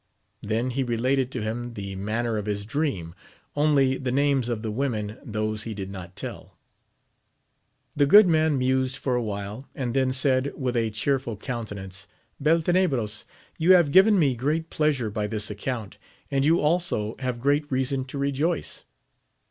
Then he related to him the manner of his dream, only the names of the women, those he did not tell. The good man mused for a while, and then said, with a cheerful countenance, Beltenebros, you have given me great pleasure by this account, and you also have great reason to rejoice.